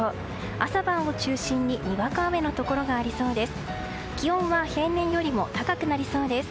朝晩を中心ににわか雨のところがありそうです。